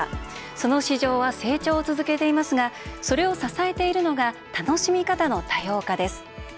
その市場は成長を続けていますがそれを支えているのが楽しみ方の多様化です。